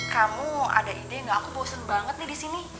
kamu ada ide gak aku bosen banget nih di sini